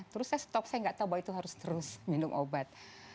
terus saya stop saya nggak tahu bahwa itu harus terus minum obat